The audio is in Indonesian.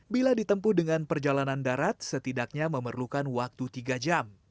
bila ditempuh dengan perjalanan darat setidaknya memerlukan waktu tiga jam